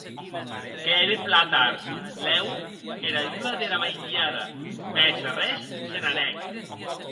Qu'ère plan tard, lèu era ua dera maitiada, mès arrés se n'anèc.